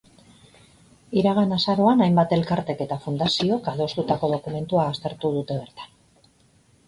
Iragan azaroan hainbat elkartek eta fundaziok adostutako dokumentua aztertu dute bertan.